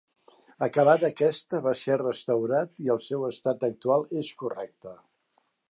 Acabada aquesta, va ser restaurat, i el seu estat actual és correcte.